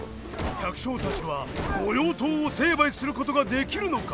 百姓たちは御用盗を成敗することができるのか？